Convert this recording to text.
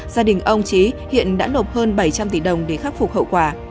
gia đình ông trí hiện đã nộp hơn bảy trăm linh tỷ đồng để khắc phục hậu quả